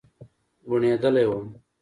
بوږنېدلى وم.